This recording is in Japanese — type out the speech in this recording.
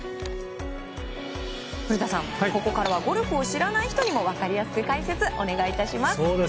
古田さん、ここからはゴルフを知らない人にも分かりやすい解説お願い致します。